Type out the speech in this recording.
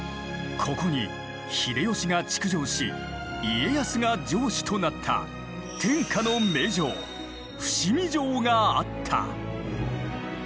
ここに秀吉が築城し家康が城主となった天下の名城伏見城があった。